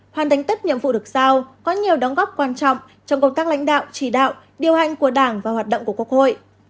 hoàn thành tốt nhiệm vụ được sao có nhiều đóng góp quan trọng trong công tác lãnh đạo chỉ đạo điều hành của đảng và hoạt động của quốc hội